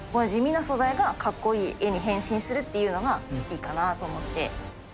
地味な素材がかっこいい絵に変身するっていうのが、いいかなと思って。